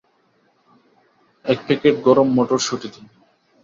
এক প্যাকেট গরম মটরশুঁটি দিন।